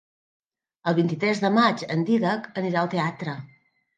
El vint-i-tres de maig en Dídac anirà al teatre.